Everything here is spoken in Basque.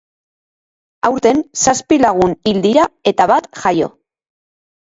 Aurten zazpi lagun hil dira eta bat jaio.